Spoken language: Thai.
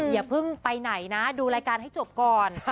อย่าเพิ่งไปไหนนะดูรายการให้จบก่อน